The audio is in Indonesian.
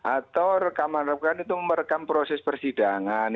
atau rekaman rekaman itu merekam proses persidangan